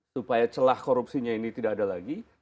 supaya celah korupsinya ini tidak ada lagi